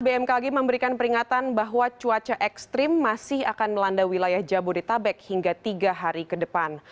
bmkg memberikan peringatan bahwa cuaca ekstrim masih akan melanda wilayah jabodetabek hingga tiga hari ke depan